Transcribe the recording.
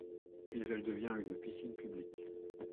Puis elle devient une piscine publique.